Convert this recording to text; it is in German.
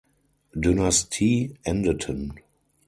Dynastie endeten.